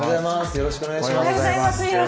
よろしくお願いします。